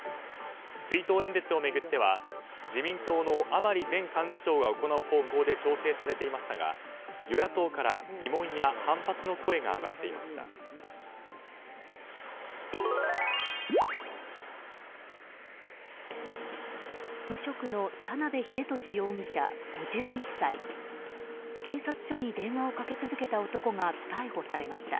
追悼演説を巡っては自民党の甘利前幹事長が行う方向で調整されていましたが与野党から、疑問や反発の声が上がっていました。